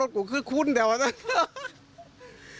รถกูคือคุณเดี๋ยวนะครับ